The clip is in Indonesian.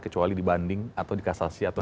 kecuali dibanding atau dikasasi atau